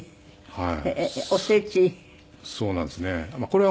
はい。